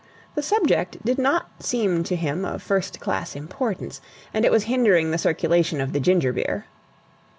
The subject did not seem to him of first class importance, and it was hindering the circulation of the ginger beer.